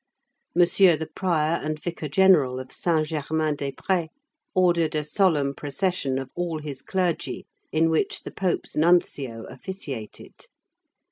M. the Prior and Vicar General of Saint Germain des Prés ordered a solemn procession of all his clergy, in which the Pope's Nuncio officiated.